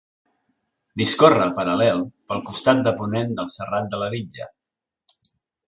Discorre paral·lel pel costat de ponent del Serrat de la Bitlla.